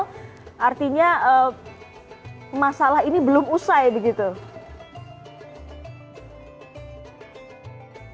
artinya masalah ini belum usai begitu